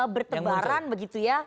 bertebaran begitu ya